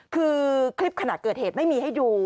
คือคลิปขณะเกิดเหตุไม่มีให้ดู